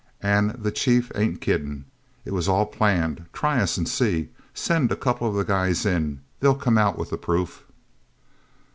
And the Chief ain't kidding. It was all planned. Try us and see. Send a couple of guys in. They'll come out with the proof..."